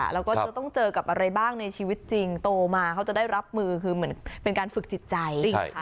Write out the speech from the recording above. แล้วก็จะต้องเจอกับอะไรบ้างในชีวิตจริงโตมาเขาจะได้รับมือคือเหมือนเป็นการฝึกจิตใจ